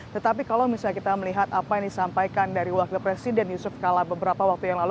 tetapi kalau misalnya kita melihat apa yang disampaikan dari wakil presiden yusuf kala beberapa waktu yang lalu